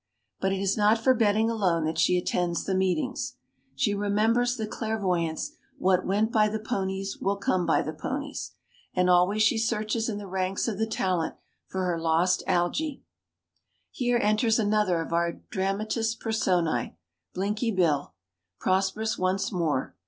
But it is not for betting alone that she attends the meetings. She remembers the clairvoyant's "What went by the ponies will come by the ponies." And always she searches in the ranks of the talent for her lost Algy. Here enters another of our dramatis personae Blinky Bill, prosperous once more.